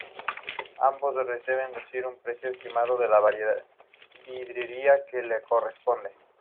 Ambos deben decir un precio estimado de la vidriera que le corresponde.